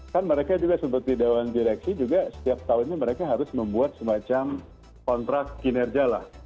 kan mereka juga seperti dewan direksi juga setiap tahunnya mereka harus membuat semacam kontrak kinerja lah